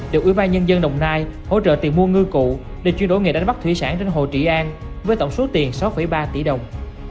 được ủy ban nhân dân đồng nai hỗ trợ tìm mua ngư cụ để chuyển đổi nghề đánh bắt thủy sản trên hồ trị an với tổng số tiền sáu ba tỷ đồng